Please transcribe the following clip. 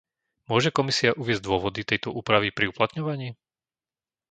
Môže Komisia uviesť dôvody tejto úpravy pri uplatňovaní?